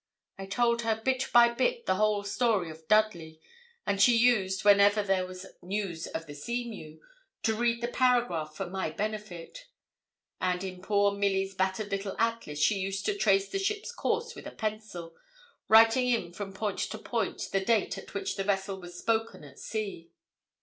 I told her, bit by bit, the whole story of Dudley, and she used, whenever there was news of the Seamew, to read the paragraph for my benefit; and in poor Milly's battered little Atlas she used to trace the ship's course with a pencil, writing in, from point to point, the date at which the vessel was 'spoken' at sea.